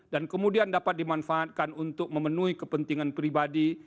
dan kemudian dapat dimanfaatkan untuk memenuhi kepentingan pribadi